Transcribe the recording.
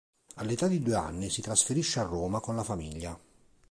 All'età di due anni si trasferisce a Roma con la famiglia.